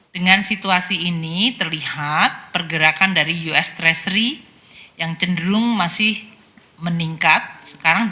dengan situasi ini terlihat pergerakan dari us treasury yang cenderung masih meningkat